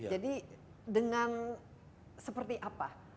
jadi dengan seperti apa